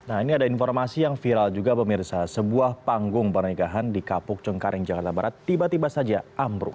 nah ini ada informasi yang viral juga pemirsa sebuah panggung pernikahan di kapuk cengkaring jakarta barat tiba tiba saja ambruk